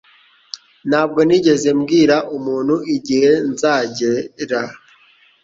Ntabwo nigeze mbwira umuntu igihe nzagera.